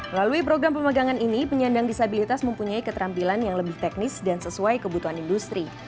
melalui program pemegangan ini penyandang disabilitas mempunyai keterampilan yang lebih teknis dan sesuai kebutuhan industri